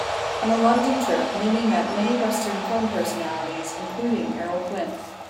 On the London trip, Nimmi met many western film personalities including Errol Flynn.